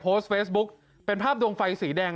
โพสต์เฟซบุ๊กเป็นภาพดวงไฟสีแดง